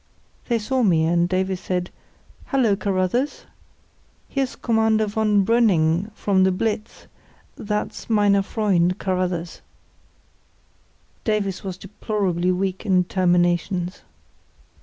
They saw me, and Davies said: "Hullo, Carruthers! Here's Commander von Brüning from the Blitz—that's 'meiner Freund' Carruthers." (Davies was deplorably weak in terminations.)